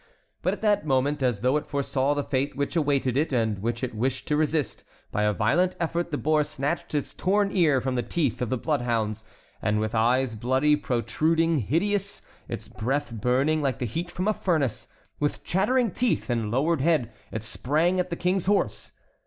But at that moment, as though it foresaw the fate which awaited it, and which it wished to resist, by a violent effort the boar snatched its torn ears from the teeth of the bloodhounds, and with eyes bloody, protruding, hideous, its breath burning like the heat from a furnace, with chattering teeth and lowered head it sprang at the King's horse.